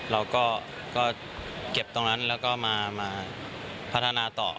เราก็เก็บตรงนั้นแล้วก็มาพัฒนาต่อ